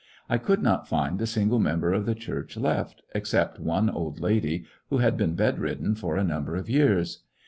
I could not find a single member of the Church left, except one old lady who had been bedridden for a number of years.